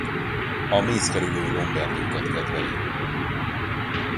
A mészkerülő lomberdőket kedveli.